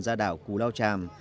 ra đảo cú lao tràm